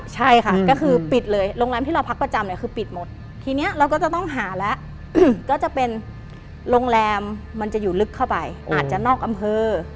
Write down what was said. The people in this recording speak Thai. ใช่ค่ะก็คือปิดเลยโรงแรมที่เราพักประจำเนี่ยคือปิดหมดทีนี้เราก็จะต้องหาแล้วก็จะเป็นโรงแรมมันจะอยู่ลึกเข้าไปอาจจะนอกอำเภอ